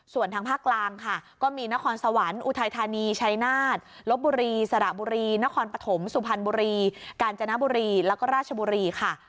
ส่วนทางภาคกลางค่ะก็มีนครสวรรค์อุทัยธานีชัยนาฏลบบุรีสระบุรีนครปฐมสุพรรณบุรีกาญจนบุรีแล้วก็ราชบุรีค่ะ